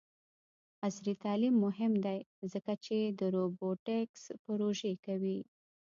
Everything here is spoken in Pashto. عصري تعلیم مهم دی ځکه چې د روبوټکس پروژې کوي.